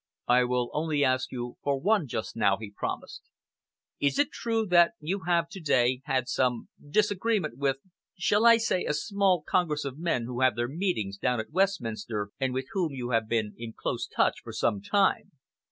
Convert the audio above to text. "I will only ask you for one just now," he promised. "Is it true that you have to day had some disagreement with shall I say a small congress of men who have their meetings down at Westminster, and with whom you have been in close touch for some time?"